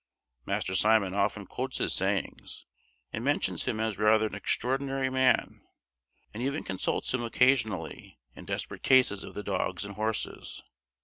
Master Simon often quotes his sayings, and mentions him as rather an extraordinary man; and even consults him occasionally in desperate cases of the dogs and horses.